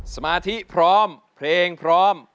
สมาธิพร้อมเพลงพร้อม